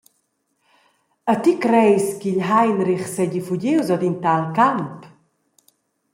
«E ti creis ch’il Heinrich seigi fugius ord in tal camp?»